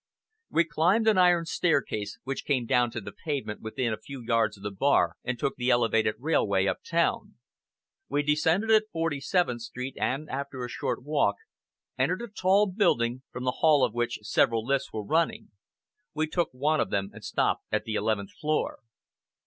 We climbed an iron staircase, which came down to the pavement within a few yards of the bar, and took the elevated railway up town. We descended at 47th Street and, after a short walk, entered a tall building, from the hall of which several lifts were running. We took one of them and stopped at the eleventh floor.